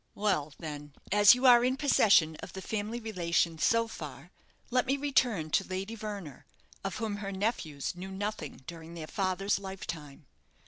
"Well, then, as you are in possession of the family relations so far, let me return to Lady Verner, of whom her nephews knew nothing during their father's lifetime.